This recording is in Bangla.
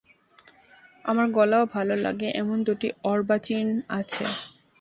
আমার গলাও ভালো লাগে এমন দুটি অর্বাচীন আছে।